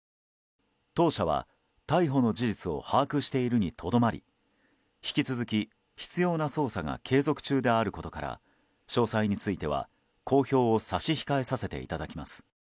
当社は、逮捕の事実を把握しているにとどまり引き続き、必要な捜査が継続中であることから詳細については、公表を差し控えさせていただきます。